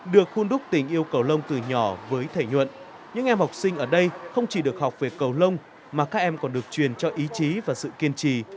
được khuôn đúc tình yêu cầu lông từ nhỏ với thầy nhuận những em học sinh ở đây không chỉ được học về cầu lông mà các em còn được truyền cho ý chí và sự kiên trì